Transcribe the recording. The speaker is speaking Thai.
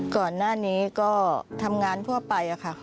ก่อนหน้านี้ก็ทำงานทั่วไปค่ะ